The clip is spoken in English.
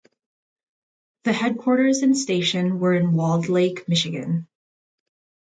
The headquarters and station were in Walled Lake, Michigan.